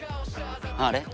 あれ？